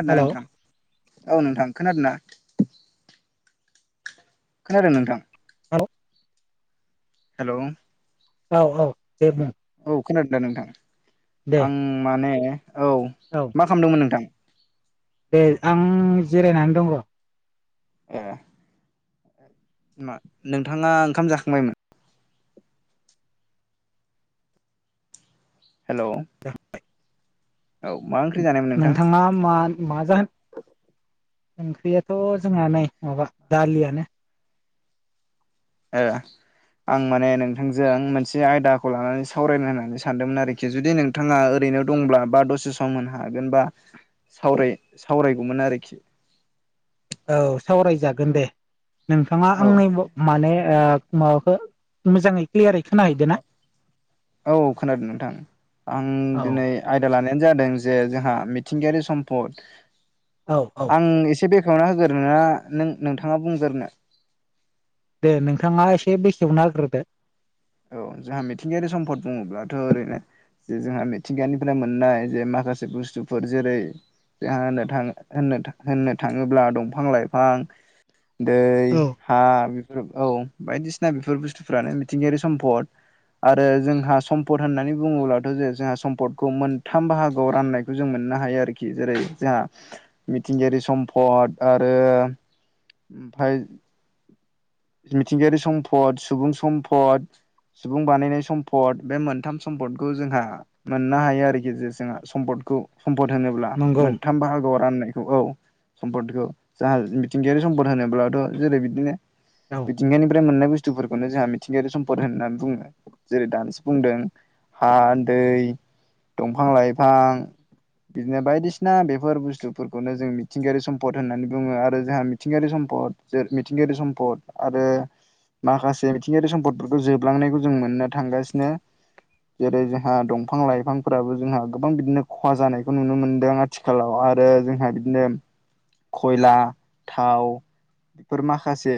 खोनथा हेलौ नोंथां औ नोंथां खोनादों ना? खोनादों नोंथां। हेलौ हेलौ औ औ दे बुं। औ खोनादों दा नोंथां दे आं माने औ मा खालामदोंमोन नोंथां? दे आं जिरायनानै दं र'। ए मा नोंथाङा ओंखाम जाखांबायमोन? हेलौ जाखांबाय। औ मा ओंख्रि जानायमोन नोंथां नोंथाङा मा मा जाहोन ओंख्रियाथ' जोंहा नै माबा दालियानो। ओ। आं माने नोंथांजों मोनसे आयदाखौ लानानै सावरायनो होननानै सानदोंमोन आरोखि जुदि नोंथाङा ओरैनो नो दं बा दसे सम होनो हागोन बा। सावराय सावरायगौमोन आरोखि। औ सावरायजागोन दे नोंथाङा औ आंनि माने माबाखौ मोजाङै क्लियारै खोनाहैदो ना औ खोनादों नोंथां आं औ दिनै आयदा लानायानो जादों जे जोंहा मिथिंगायारि सम्पद औ औ आं एसे बे बेखउना होग्रोना नों नोंथाङा बुंग्रनो दे नोंथाङा एसे बेखेवना नाग्रोदो। औ जोंहा मिथिंगायारि सम्पद बुङोब्लाथ' ओरैनो जे जोंहा मिथिंगानिफ्राय मोननाय जे माखासे बुस्थुफोर जेरै जोंहा होनो थाङो होनो होननो थाङोब्ला दंफां लाइफां दै औ हा बेफोर औ बायदिसिना बेफोर बुस्थुफ्रानो मिथिंगायारि सम्फद आरो जोंहा सम्पद होननानै बुङोब्लाथ' जे जोंहा सम्पदखौ मोनथाम बाहागोआव राननायखौ जों मोनो। मोननो हायो आरोखि जेरै जोंहा मिथिंगायारि सम्पद आरो। ओमफाय मिथिंगायारि सम्पद सुबुं सम्फद। [inaudible] सुबुं बानायनाय सम्पद बे मोनथाम सम्पदखौ जोंहा मोननो हायो आरोखि जे जोंहा सम्पदखौ सम्फद होनोब्ला नंगौ मोनथाम बाहागोआव राननाय बेखौ औ सम्पदखौ जाहा मिथिंगायारि सम्पद होनोब्लाथ' जेरै बिदिनो औ मिथिंगानिफ्राय मोननाय बुस्थुफोरखौनो जोंहा मिंगायारि सम फोर होननानै बुङो जेरै दानसो बुंदों हा दै दंफां लाइफां बिदिनो बायदिसिना बेफोर बुस्थुफोरखौनो जों मिथिंगायारि सम्द होननानै बुङो आरो जोंहा मिथिंगायारि सम्द मिथिंगायारि सम्प आरो माखासे मिथिंगायारि सम्पद बेफोरखौ जोबलांनायखौ जों मोननो थांगासिनो जेरै जोंहा दंफां लाइफांफोराबो जोंहा गोबां बिदिनो खहा जानायखौ नुनो मोनदों आथिखालाव आरो जोंहा बिदिनो खयला थाव बेफोर माखासे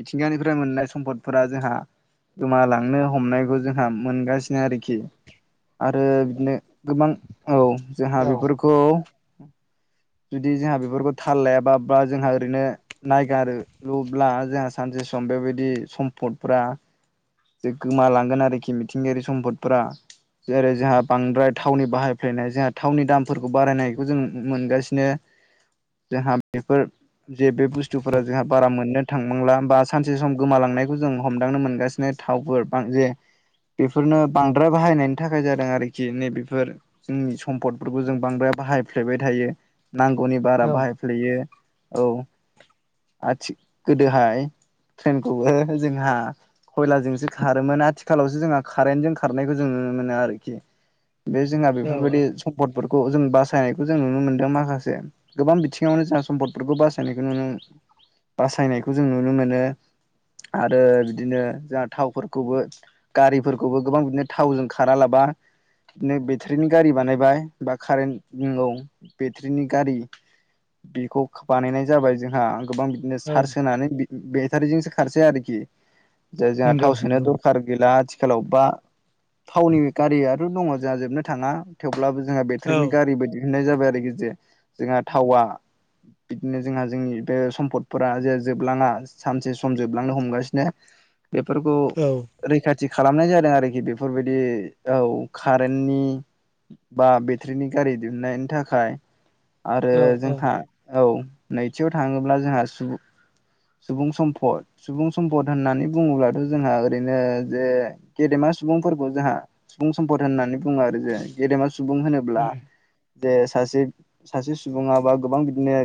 मिथिंगानिफ्राय मोननाय सम्फदफोरा जोंहा गोमालांनो हमनायखौ जोंहा मोनगासिनो आरोखि आरो बिदिनो गोबां औ जोंहा औ बेफोरखौ जुदि जोंहा बेफोरखौ थाल लायाबा बा जोंहा ओरैनो नायगार ल'ब्ला जोंहा सानसे बे सम बेबायदि सम्पदफ्रा गोमालांगोन आरोखि मिथिंगायारि सम्फदफोरा जेरै जोंहा बांद्राय थावनि बाहायफ्लायनाय जोंहा थावनि दामफोरखौ बारायनायखौ जों मोनगासिनो ज बेफोर जे बे बुस्थुफोरा जोंहा बारा मोननो थां मोनला बा सानसे सम गोमालांनायखौ जों हमदांनो मोनगासिनो बिनो थावफोर बां जे बेफोरनो बांद्राय बाहायनायनि थाखाय जादों आरोखि नै बेफोर जोंनि सम्पदफोरखौ जों बांद्राय बाहायफ्लेबाय थायो नांगौनि बारा औ बाहायफ्लेयो औ आ गोदोहाय ट्रेनखौबो जोंहा खयलाजोंसो खारोमोन आथिखालावसो जोंहा कारेनटजों खारनायखौ जों नुनो मोनो आरोखि बे जोंहा औ बेफोरबायदि सम्पद फोरखौ जों बासायनायखौ जों नुनो मोनदों माखासे गोबां बिथिङावनो जोंहा सम्पदफोरखौ बासायनायखौ नुनो मोनो बासायनायखौ जों नुनो मोनो आरो बिदिनो जोंहा थावफोरखौबो गारिफोरखौबो गोबां बिदिनो थावजों खारालाबा बिदिनो बेटारिनि गारि बानायबाय बा कारेन्ट नौ बेटारिनि गारि बेखौ बानायनाय जाबाय जोंहा गोबां बिदिनो औ चार्ज होनानै बेटारिजोंसो खारसै आरोखि। जे जोंहा नंगौ थाव सोनो नंगौ दरखार गैला आथिखालाव बा थावनि गारिया दङ जोंहा जोबनो थाङा। थेवब्लाबो जोंहा औ बेटारिनि गारि बायदि होननाय जाबाय आरोखि जे जोंहा थावा बिदिनो जोंहा जोंनि बे सम्फदफोरा जे जोबलाङा सानसे सम जोबलांनो हमगासिनो बेफोरखौ औ रैखा थि खालामनाय जादों आरोखि बेफोरबायदि औ कारेन्ट नि बा बेट्रिनि गारि दिहुननायनि थाखाय आरो औ जोंहा औ नैथियाव थाङोब्ला जोंहा सुबुं सुबुं सम्पद सुबुं सम्पद होननानै बुङोब्लाथ' जोंहा ओरैनो जे गेदेमा सुबुंफोरखौ जोंहा सुबुं सम्पद होननानै बुङो आरो जे गेदेमा सुबुं औ होनोब्ला जे सासे सासे सुबुङा बा गोबां बिदिनो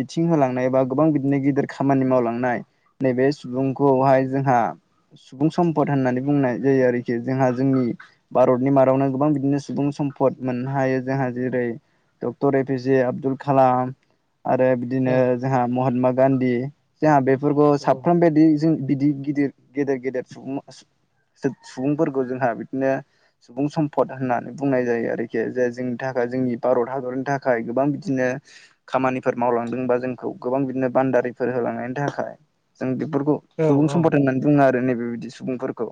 बिथिं होलांनाय बा गोबां बिदिनो गिदिर खामानि मावलांनाय नैबे सुबुंखौहाय जोंहा सुबुं सम्पद होननानै बुंनाय जायो आरोखि। जोंहा जोंनि भारतनि मादावनो गोबां बिदिनो सुबुं सम सम्पद मोननो हायो जोंहा जेरै doctor A P J Abdul Kalam आरो बिदिनो जोंहा महात्मा गान्धी जोंहा बेफोरखौ साफ्रोम बायदि जों बिदि गिदिर गेदेर गेदेर सुबुं सुबुंफोरखौ जोंहा बिदिनो सुबुं सम्पद होननानै बुंनाय जायो आरोखि। जे जोंनि था खाय जोंनि भारत हादरनि थाखाय गोबां बिदिनो खामानिफोर मावलांदों बा जोंखौ गोबां बिदिनो बानदारि फोर होलांनायनि थाखाय जों बेफोरखौ औ सुबुं सम्पद होननानै बुङो आरो नैबे बेबादि सुबुंफोरखौ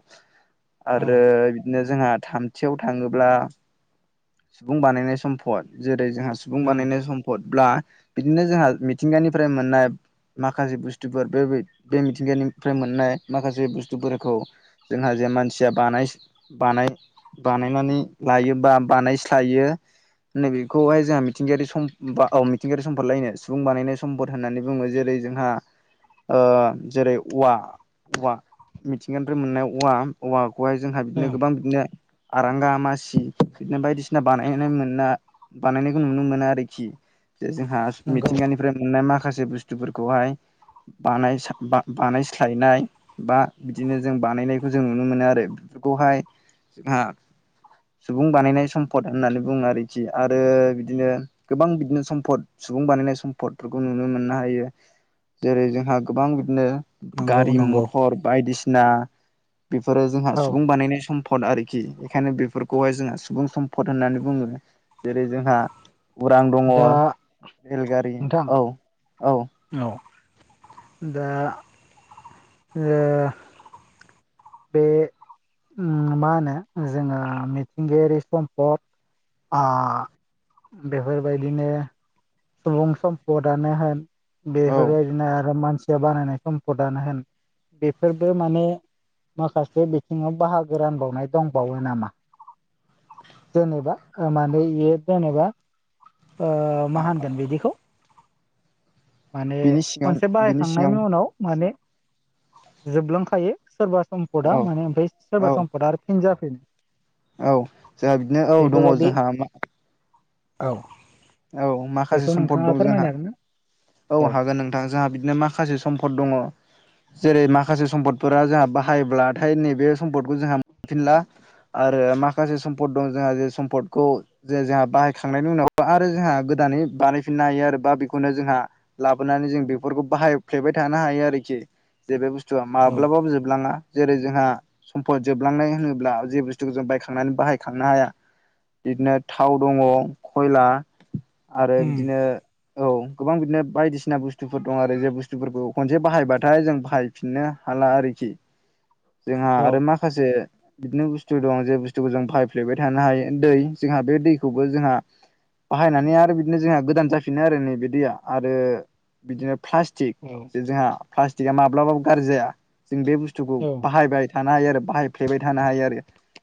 औ आरो बिदिनो जोंहा थामथियाव थाङोब्ला सुबुं बानायनाय सम्फद जे रै जोंहा सुबुं औ बानायनाय सम्पदब्ला बिदिनो जोंहा मिथिंगानिफ्राय मोननाय माखासे बुस्थुफोर बे बे मिथिंगानिफ्राय मोननाय माखासे बुस्थुफोरखौ जोंहा जे मानसिया बानाय बानाय बानायनानै लायो बा बानायस्लायो नै बेखौहाय जोंहा मिथिंगायारि सम औ मिथिंगायारि सम्पद लायनो सुबुं बानायनाय सम्पद होननानै बुङो। जेरै जोंहा ओ जेरै- औवा, औव मिथिंगानिफ्रा मोननाय औवा औवा खौहाय जोंहा बिदिनो ओं गोबां बिदिनो आरांगा, मासि बिदिनो बायदिसिना बानायनाय मोनना बानायनायखौ नुनो मोनो आरोखि। जे जोंहा नंगौ मिथिंगानिफ्राय मोननाय माखासे बुस्थुफोरखौहाय बानाय बानायस्लायनाय बा बिदिनो जों बानायनायखौ जों नुनो मोनो आरो। बेफोरखौहाय जोंहा सुबुं बानायनाय सम्पद होननानै बुङो आरोखि आरो बिदिनो गोबां बिदिनो सम्फद सुबुं बानायनाय सम्फदफोरखौ नुनो मोननो हायो। जेरै- जोंहा गोबां बिदिनो नंगौ नंगौ गारि-मथर बायदिसिना बेफोरो जोंहा औ सुबुं बानायनाय सम सम्पद आरोखि, बेखायनो बेफोरखौहाय जोंहा सुबुं सम्पद होननानै बुङो। जेरै- जोंहा उरां दङ दा रेलगारि नोंथां औ औ। औ दा ओ बे मा होनो? जोङो मिथिंगायारि सम्पद आ बेफोरबायदिनो सुबुं सम्पदानो होन औ बेफोरबायदिनो आरो मानसि [unintelligible] बानायनाय सम्पदानो होन बेफोरबो माने माखासे बिथिङाव बाहागो रानबावनाय दंबावो नामा? जेनेबा ओ माने बेयो जेनेबा ओ मा होनगोन बिदिखौ? माने बिनि सिङाव खनसे बिनि सिङाव बाहायखांनायनि उनाव माने जोबलांखायो सोरबा औ सम्पदा माने ओमफ्राय सोरबा औ सम्पदा आरो फिनज जाफिनो। औ, जोंहा बिदिनो औ दङ जोंहा मा औ औ मा माखासे सम्फद दं जोंहा ना? औ हागोन नोंथां जोंहा बिदिनो माखासे सम्फद दङ जेरै माखासे सम्पदफोरा जोंहा बाहायोब्लाथाय नैबे सम्पदखौ जोंहा मोनफिनला आरो माखासे सम्पद दं जोंहा जे सम्पदखौ जे जोंहा बाहायखांनायनि उनाव जोंहा गोदानै बानायफिननो हायो आरो बा बेखौनो जोंहा लाबोनानै जों बेफोरखौ बाहायफ्लेबाय थानो हायो हायो आरोखि जे बे बुस्थुआ माब्लाबाबो जोबलाङा जेरै जोंहा सम्फद जोबलांनाय होनोब्ला जे बुस्थुखौ जों बायखांनानै बाहायखांनो हाया बिदिनो थाव दङ खयला आरो बिदिनो औ गोबां बिदिनो बायदिसिना बुस्थुफोर दं आरो जे बुस्थुफोरखौ खनसे बाहायबाथाय जों बाहायफिननो हाग आरोखि जोंहा औ आरो माखासे बिदिनो बुस्थु दं जे बुस्थुखौ जों बायफ्लेबाय थानो हायो दै जोंहा बे दैखौबो जोंहा बाहायनानै आरो बिदिनो जोंहा गोदान जाफिनो आरो नैबे दैया आरो बिदिनो प्लास्टिक औ जे जोंहा प्लास्टिकआ माब्लाबाबो गाज्रि जाया जों बे बुस्थुखौ बाहायबाय थानो हायो आरो बाहायफ्लेबाय थानो हायो आरो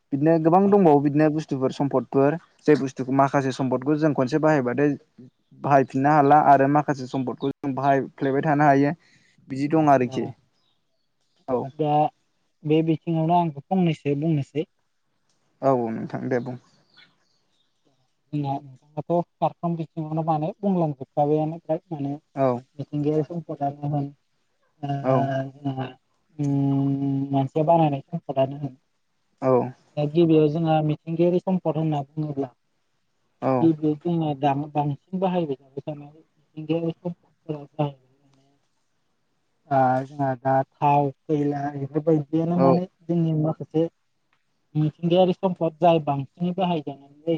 बिदिनो गोबां औ दंबावो बिदिनो ब बुस्थफोर सम्पदफोर जाय बुस्थुखौ माखासे सम्दखौ जों खनसे बाहायबाथाय बाहायफिननो हाला आरो माखासे सम्पदखौ जों बाहायफ्लायबाय थानो हायो बिदि दं आरोखि औ औ दा बे बिथिङावनो आंखौ फंनैसो बुंनोसै औ नोंथां दे बुं ज नोंथाङाथ' खारफ्राम बिथिङावनो माने बुंलांजोबखाबायानो औ [unintelligible] औ जोंहा मानसिया बानायनाय सम्पदानो औ दा गिबियाव जोंहा मिथिंगायारि सम्पद होनना बुङोब्ला [inaudible] जोंना द बां-बांसिन बाहायबाय जाबाय जानाय मिथिंगाय सम्फदफोरा बाहाय [inaudible] जोंहा दा थाव खैला बेफोरबायदियानो औ माने जोंनि माखासे मिथिंगायारि सम्फद जाय बांसिनै बाहायजानायलै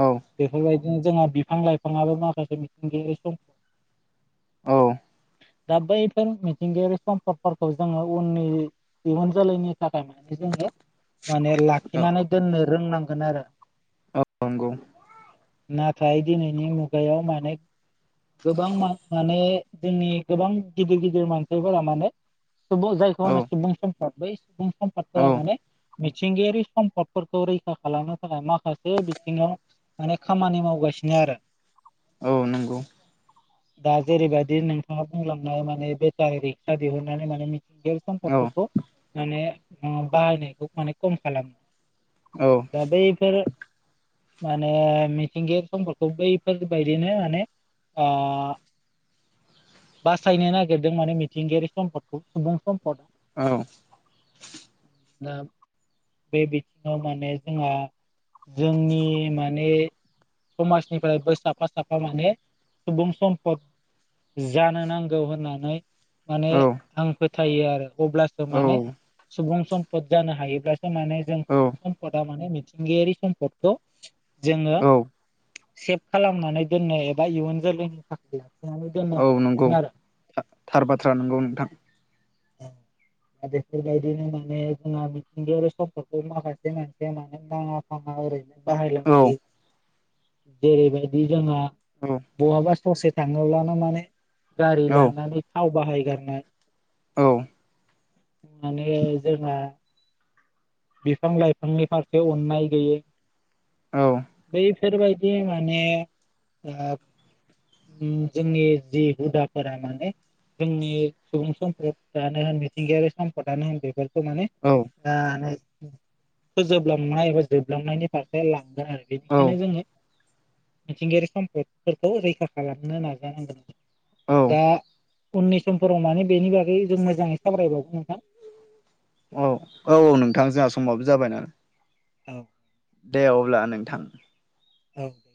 औ जोंहा बिफां लाइफाङाबो माखासे मिथिंगायारि सम्पद औ दा बैफोर मिथिंगायारि सम्पदफोरखौ जोङो उननि दिहुन जोलैनि थाखाय जोङो माने लाखिनानै दोननो रोंनांगोन आरो औ नंगौ नाथाय दिनैनि मुगायाव माने गोबां माने जोंनि गोबां गिदिर गिदिर मानसिफोरा माने सुबुं जायखौ होनो औ सुबुं सम्पद बै सुबुं फोरा औ माने मिथिंगायारि सम्पदफोरखौ रैखा खालामनो थाखाय माखासे बिथिङाव माने खामानि मावगासिनो सिनो आरो औ नंगौ दा जेरैबायदि नोंथाङा बुंलांनो माने बेटारि रिक्सा दिहुननानै माने मि ग औ सम्पदफोरखौ माने बाहायनायखौ माने खम खालामो औ दा बैफोर माने मिथिंगायारि सम्फदखौ बैफोरबायदिनो माने आ [inaudible] बासायनो नागिरदों माने मिथिंगायारि सम्फोरखौ सुबुं सम औ दा बे बिथिङाव माने जोंहा जोंनि माने समाजनिफ्रायबो साफा साफा माने सुबुं सम्फद जा जानो नांगौ होननानै माने आं फोथायो आरो अब्लासो माने औ सुबुं सम्पद जानो हायोब्लासो माने जों औ सुबुं सम्पदा माने मिथिंगायारि सम्पदखौ जोङो औ सेभ खालामनानै दोननो एबा इयुन जोलैनि थाखाय ज दोनो औ नंगौ थार बाथ्रा नंगौ नोंथां। दा बेफोरबायदिनो माने जोंहा मिथिंगायारि समफदखौ माखासे मानसिया मानो नाङा फाङा ओरैनो बाहायला औ बायो जेरैबायदि जोंहा औ बहाबा ससे थाङोब्लानो माने गारि औ लानानै थाव बाहायगारनाय औ माने जोंहा बिफां लाइफांनि फारसे अन्नाय गैयै औ बेफोरबायदि माने जोंहा जोंनि जि हुदाफोरा माने जोंनि सुबुं सम्पदानो होन मिथिंगायारि सम्पदानो होन बेफोर माने औ फोजोबलांनाय एबा जोबलांनायनि फारसे लां [unintelligible] औ बेनिखायनो जोङो मिथिंगायारि सम्पदफोरखौ रैखा खालामनो नाजानांगोन। औ। दा उननि समफोराव माने बेनि बागै जों मोजाङै सावरायबावगोन नोंथां। औ औ नोंथां जोंहा समाबो जाबाय ना। औ। दे अब्ला नोंथां। औ दे